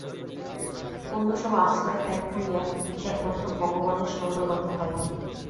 অন্য সব আশ্রয় ত্যাগ করিয়া সে একমাত্র ভগবানের শরণাগত হয়।